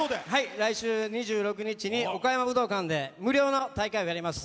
来週２６日に岡山武道館で無料の大会をやります。